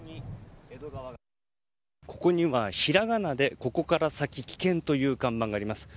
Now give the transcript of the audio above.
ここにはひらがなで「ここからさききけん」という看板があります。